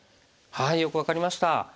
よく分かりました。